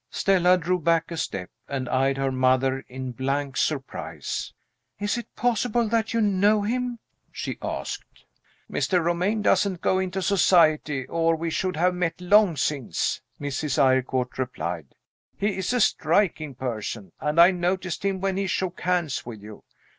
Stella drew back a step, and eyed her mother in blank surprise. "Is it possible that you know him?" she asked. "Mr. Romayne doesn't go into Society, or we should have met long since," Mrs. Eyrecourt replied. "He is a striking person and I noticed him when he shook hands with you.